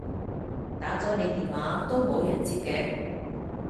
打咗你電話都冇人接嘅